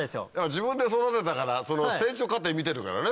自分で育てたからその成長過程見てるからね。